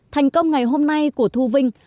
thành công ngày hôm nay của thu vinh